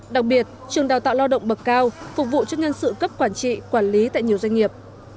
đặc biệt trường đào tạo lao động bậc cao phục vụ cho nhân sự cấp quản trị quản lý tại nhiều doanh nghiệp